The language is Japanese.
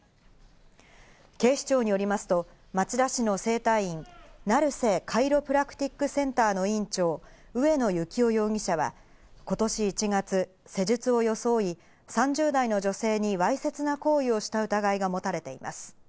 警視庁によりますと町田市の整体院、成瀬カイロプラクティックセンターの院長・上野幸雄容疑者は、今年１月、施術を装い、３０代の女性にわいせつな行為をした疑いが持たれています。